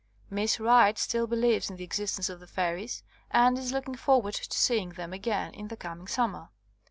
Miss Wright still believes in the existence of the fairies, and is looking forward to see ing them again in the coming summer.